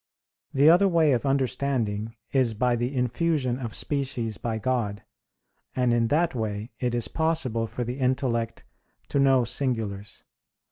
The other way of understanding is by the infusion of species by God, and in that way it is possible for the intellect to know singulars.